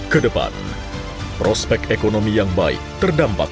kedepan prospek ekonomi yang baik terdampak pada tahun dua ribu dua puluh